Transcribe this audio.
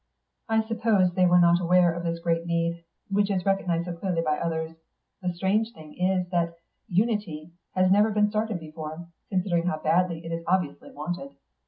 I suppose they were not aware of this great need, which is recognised so clearly by others. The strange thing is that Unity has never been started before, considering how badly it is obviously wanted.